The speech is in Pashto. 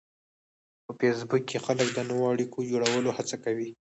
په فېسبوک کې خلک د نوو اړیکو جوړولو هڅه کوي